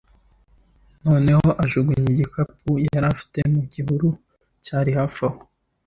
noneho ajugunya igikapu yari afite mu gihuru cyari hafi aho